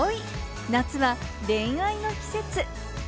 夏は恋愛の季節。